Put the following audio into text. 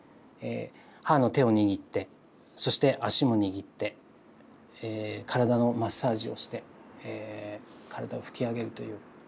母の手を握ってそして足も握って体のマッサージをして体を拭き上げるという。